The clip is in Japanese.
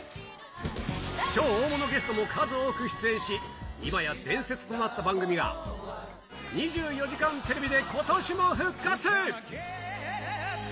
超大物ゲストも数多く出演し、今や伝説となった番組が、２４時間テレビでことしも復活。